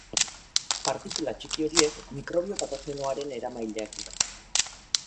Partikula txiki horiek mikrobio patogenoaren eramaileak dira.